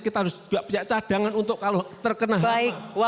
kita harus juga punya cadangan untuk kalau terkena hal